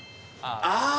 ああ。